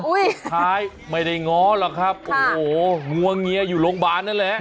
สุดท้ายไม่ได้ง้อหรอกครับโอ้โหงวงเงียอยู่โรงพยาบาลนั่นแหละ